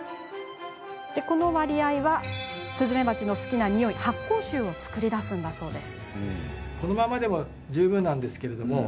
この割合がスズメバチの好きなにおい発酵臭を作り出すそうです。